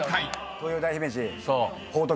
東洋大姫路報徳。